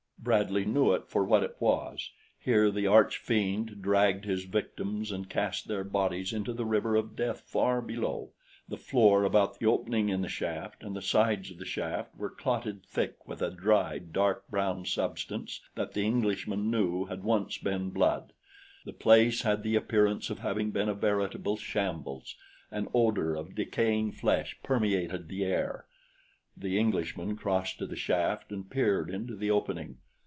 Bradley knew it for what it was. Here the arch fiend dragged his victims and cast their bodies into the river of death far below. The floor about the opening in the shaft and the sides of the shaft were clotted thick with a dried, dark brown substance that the Englishman knew had once been blood. The place had the appearance of having been a veritable shambles. An odor of decaying flesh permeated the air. The Englishman crossed to the shaft and peered into the opening.